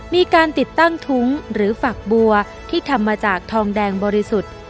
มีการติดตั้งถุงหรือฝักบัวที่ทำมาจากทองแดงบริสุทธิ์